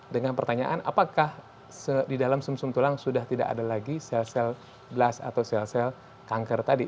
dengan pertanyaan apakah di dalam sum sum tulang sudah tidak ada lagi sel sel blast atau sel sel kanker tadi